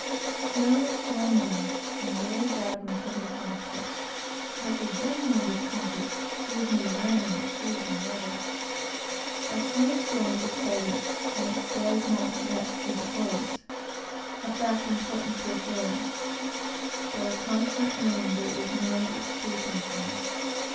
Snow is blinding, and very bad when coming upon a coast, but, for genuine discomfort, give me rain with freezing weather. A snow storm is exciting, and it does not wet through the clothes (which is important to a sailor); but a constant rain there is no escaping from.